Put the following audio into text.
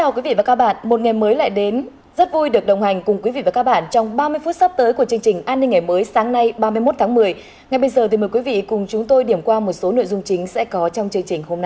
các bạn hãy đăng ký kênh để ủng hộ kênh của chúng mình nhé